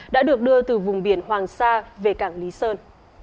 đã được đưa từ vùng biển hoàng sa về cảng lý sơn